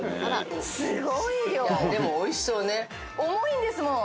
いやでもおいしそうね重いんですもん